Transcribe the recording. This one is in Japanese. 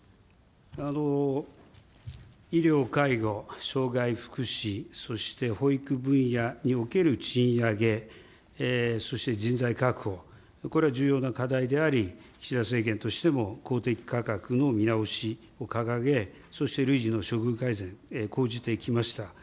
医療、介護、しょうがい福祉、そして保育分野における賃上げ、そして人材確保、これは重要な課題であり、岸田政権としても、公的価格の見直しを掲げ、そして累次の処遇改善、講じてきました。